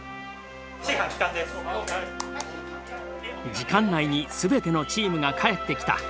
時間内に全てのチームが帰ってきた。